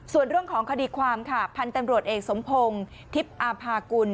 ส่วนเรื่องของคดีความค่ะพันธุ์ตำรวจเอกสมพงศ์ทิพย์อาภากุล